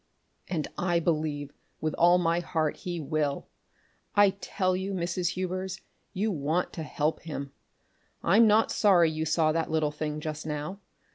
and I believe with all my heart he will! I tell you, Mrs. Hubers, you want to help him! I'm not sorry you saw that little thing just now.